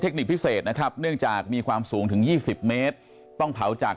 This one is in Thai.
คนิคพิเศษนะครับเนื่องจากมีความสูงถึง๒๐เมตรต้องเผาจาก